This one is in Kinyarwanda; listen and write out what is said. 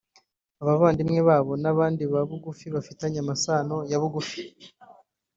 abavandimwe babo n’abandi ba bugufi bafitanye amasano ya bugufi